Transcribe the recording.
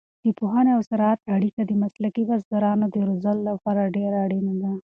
د پوهنې او زراعت اړیکه د مسلکي بزګرانو د روزلو لپاره ډېره اړینه ده.